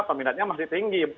peminatnya masih tinggi